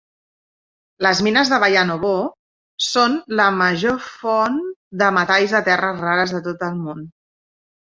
Les mines de Bayan Obo són la major font de metalls de terres rares de tot el món.